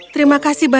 terima kasih banyak